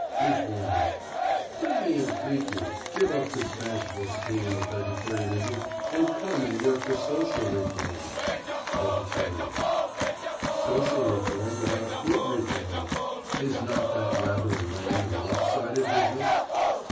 REFORMER: Let me entreat you; give up this fanciful scheme of vegetarianism and come and work for social reform. VEGETARIAN: Social reform without food reform! Is not that rather a lame and lop sided business?